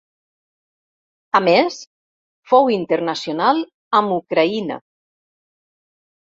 A més fou internacional amb Ucraïna.